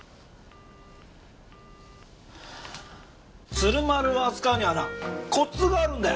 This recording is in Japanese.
鶴丸を扱うにはなコツがあるんだよ。